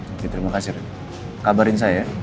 oke terima kasih kabarin saya